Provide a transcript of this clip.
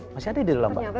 masih ada di dalam pak